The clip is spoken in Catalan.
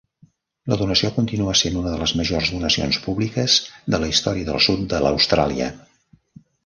La donació continua sent una de les majors donacions públiques de la història del sud de l'Austràlia.